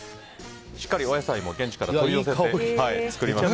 しっかりお野菜も現地から取り寄せて作りました。